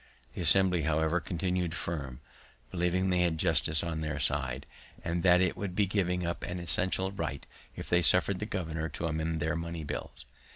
The Assembly, however, continu'd firm, believing they had justice on their side, and that it would be giving up an essential right if they suffered the governor to amend their money bills.